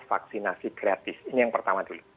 vaksinasi gratis ini yang pertama dulu